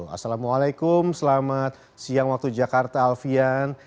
assalamualaikum selamat siang waktu jakarta alfian